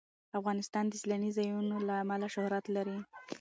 افغانستان د سیلانی ځایونه له امله شهرت لري.